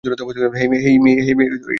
হেই May, কেমন আছো?